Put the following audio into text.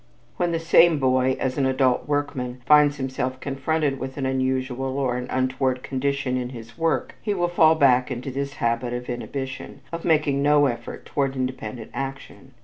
When the same boy, as an adult workman, finds himself confronted with an unusual or an untoward condition in his work, he will fall back into this habit of inhibition, of making no effort toward independent action.